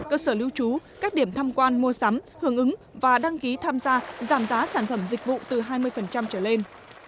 cơ sở lưu trú các điểm tham quan mua sắm hưởng ứng và đăng ký tham gia giảm giá sản phẩm dịch vụ từ hai mươi trở lên